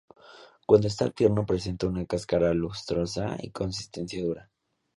Cuando está tierno presenta una cáscara lustrosa y consistencia dura.